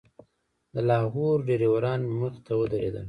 د لاهور ډریوران مې مخې ته ودرېدل.